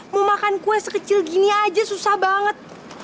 mau makan kue sekecil gini aja susah banget